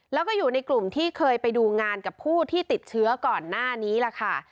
แล้วก็อยู่ในกลุ่มที่เคยไปดูงานกับผู้ที่ติดเชื้อก่อนหน้านี้ล่ะค่ะ